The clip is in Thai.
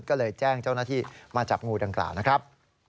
ก็เลยแจ้งเจ้าหน้าที่มาจับงูดังกล่าวนะครับ